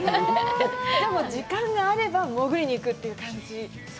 でも時間があれば潜りに行くという感じ？